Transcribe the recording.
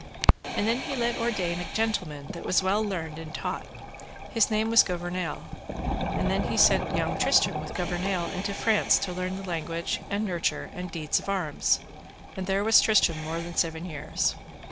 And then he let ordain a gentleman that was well learned and taught, his name was Gouvernail; and then he sent young Tristram with Gouvernail into France to learn the language, and nurture, and deeds of arms. And there was Tristram more than seven years.